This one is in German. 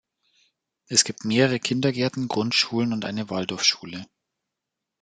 Es gibt mehrere Kindergärten, Grundschulen und eine Waldorfschule.